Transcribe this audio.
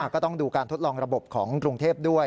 ก็ต้องดูการทดลองระบบของกรุงเทพด้วย